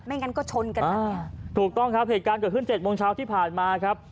งั้นก็ชนกันนะเนี่ยถูกต้องครับเหตุการณ์เกิดขึ้นเจ็ดโมงเช้าที่ผ่านมาครับ